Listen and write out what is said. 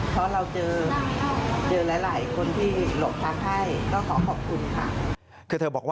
เพราะเราเจอหลายคนที่หลบพักให้ก็ขอขอบคุณค่ะ